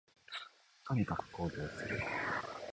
とにかく行動する